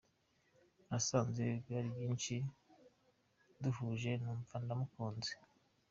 Nasanze hari byinshi duhuje numva ndamukunze.